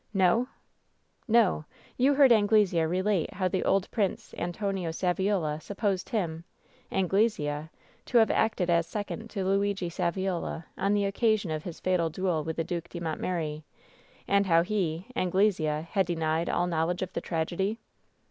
"No V "No. You heard Anglesea relate how the old Prince Antonio Saviola supposed him — ^Anglesea — ^to have acted as second to Luigi Saviola on the occasion of his fatal duel with the Due de Montmeri, and how he — Anglesea — ^had denied all knowledge of the tragedy